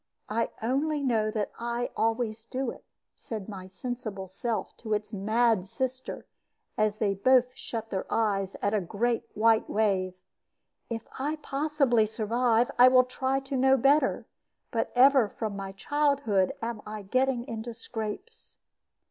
I only know that I always do it," said my sensible self to its mad sister, as they both shut their eyes at a great white wave. "If I possibly survive, I will try to know better. But ever from my childhood I am getting into scrapes."